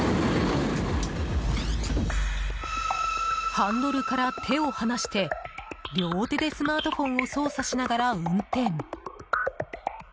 ハンドルから手を離して両手でスマートフォンを操作しながら運転。